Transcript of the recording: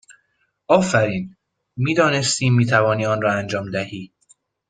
آفرین! می دانستیم می توانی آن را انجام دهی!